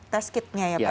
test kitnya ya pak ya